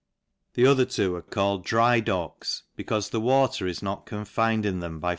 The other two are called docksj becaute the water is not confined in them LANCASHIRE.